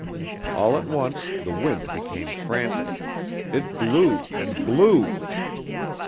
All at once the wind became frantic. It blew and blew!